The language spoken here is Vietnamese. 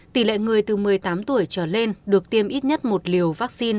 tỷ lệ người từ một mươi tám tuổi trở lên được tiêm ít nhất một liều vaccine